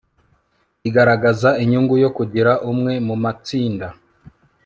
igaragaza inyungu yo kugira umwe mumatsinda